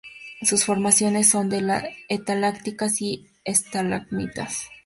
Sus formaciones son de estalactitas y estalagmitas.